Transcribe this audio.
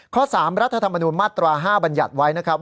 ๓รัฐธรรมนูญมาตรา๕บัญญัติไว้นะครับ